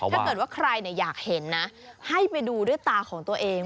ถ้าเกิดว่าใครอยากเห็นนะให้ไปดูด้วยตาของตัวเอง